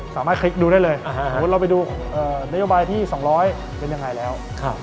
คลิกดูได้เลยเราไปดูนโยบายที่๒๐๐เป็นยังไงแล้ว